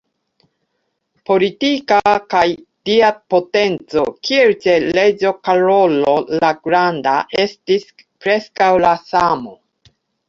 Politika kaj dia potenco, kiel ĉe reĝo Karolo la Granda, estis preskaŭ la samo.